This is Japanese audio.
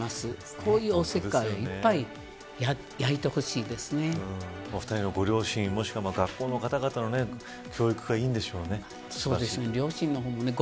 こういうおせっかいは２人のご両親もしくは学校の方々の教育がいいんでしょうね。